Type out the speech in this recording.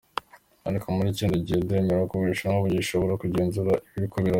Ariko muri kino gihe, ndemera ko Ubushinwa bugishobora kugenzura ibiriko biraba.